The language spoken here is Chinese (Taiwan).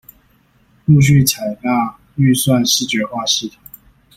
陸續採納預算視覺化系統